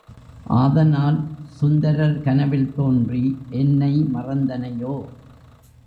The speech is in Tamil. ஆதனால் சுந்தரர் கனவில் தோன்றி, என்னை மறந்தனையோ?